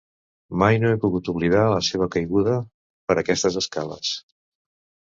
Mai no he pogut oblidar la seva caiguda per aquestes escales.